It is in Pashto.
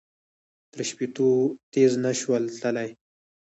تر شپېتو تېز نه شول تللای.